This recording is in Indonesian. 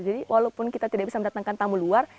jadi walaupun kita tidak bisa mendatangkan tamu luar